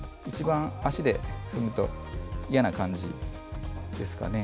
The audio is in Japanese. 足で踏むと嫌な感じですかね。